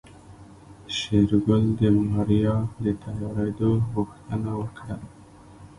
شېرګل د ماريا د تيارېدو غوښتنه وکړه.